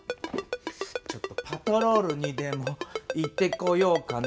ちょっとパトロールにでも行ってこようかな？